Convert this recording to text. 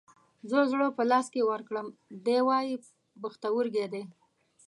زه زړه په لاس کې ورکړم ، دى واي پښتورگى دى.